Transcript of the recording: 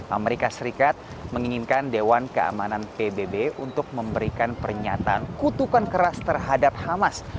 amerika serikat menginginkan dewan keamanan pbb untuk memberikan pernyataan kutukan keras terhadap hamas